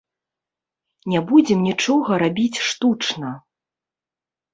Не будзем нічога рабіць штучна.